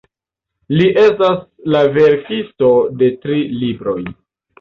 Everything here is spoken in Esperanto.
Li estas la verkisto de tri libroj.